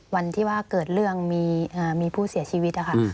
วันที่ว่าเกิดเรื่องมีผู้เสียชีวิตนะคะ